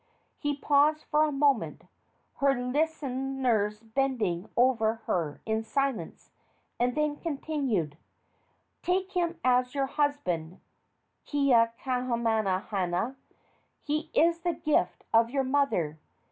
She paused for a moment, her listeners bending over her in silence, and then continued: "Take him as your husband, Keakamahana. He is the gift of your mother.